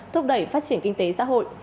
thúc đẩy phát triển kinh tế xã hội